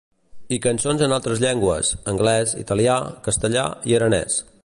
I cançons en altres llengües: anglès, italià, castellà i aranès.